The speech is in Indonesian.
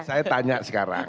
saya tanya sekarang